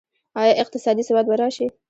آیا اقتصادي ثبات به راشي؟